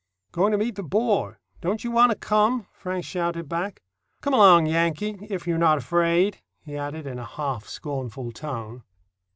"Going to meet the bore. Don't you want to come?" Frank shouted back. "Come along, Yankee, if you're not afraid," he added, in a half scornful tone.